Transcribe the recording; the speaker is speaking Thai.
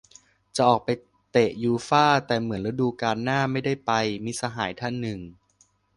"จะออกไปเตะยูฟ่า แต่เหมือนฤดูกาลหน้าไม่ได้ไป" - มิตรสหายท่านหนึ่ง